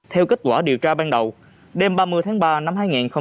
theo kết quả điều tra ban đầu đêm ba mươi tháng ba năm hai nghìn hai mươi